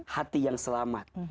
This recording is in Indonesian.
hati yang selamat